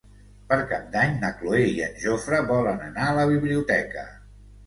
Per Cap d'Any na Cloè i en Jofre volen anar a la biblioteca.